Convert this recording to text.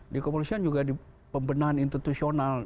di kepolisian juga di pembenahan institusional